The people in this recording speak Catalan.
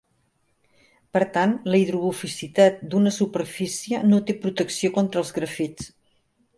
Per tant, la hidrofobicitat d'una superfície no té protecció contra els grafits.